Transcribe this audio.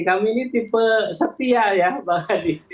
kami ini tipe setia ya bang adi